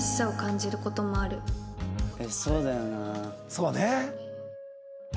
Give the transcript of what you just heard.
そうね。